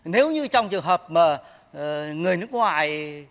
nếu như trong trường hợp mà người nước ngoài